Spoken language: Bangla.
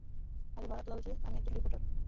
আরে ভারত লালজি, আমি একজন রিপোর্টার।